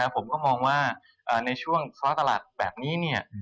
ผมก็มองว่าในช่วงค้าตลาดแบบนี้